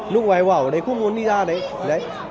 nước ngoài bảo ở đây không muốn đi ra đấy